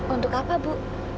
untuk apa bu